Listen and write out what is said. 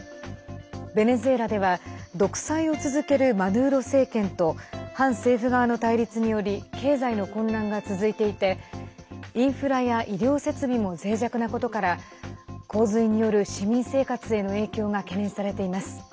ベネズエラでは独裁を続けるマドゥーロ政権と反政府側の対立により経済の混乱が続いていてインフラや医療設備もぜい弱なことから洪水による市民生活への影響が懸念されています。